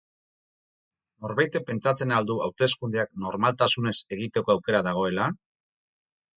Norbaitek pentsatzen al du hauteskundeak normaltasunez egiteko aukera dagoela?